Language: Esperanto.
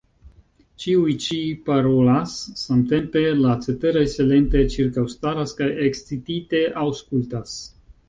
Ĉiuj ĉi parolas samtempe; la ceteraj silente ĉirkaŭstaras, kaj ekscitite aŭskultas.